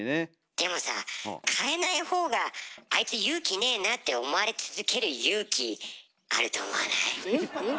でもさ変えない方が「あいつ勇気ねえな」って思われ続ける勇気あると思わない？ん？